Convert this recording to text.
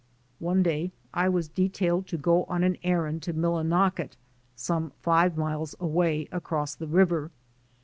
One day I was detailed to go on an errand to Millinocket, some five miles away, across the river.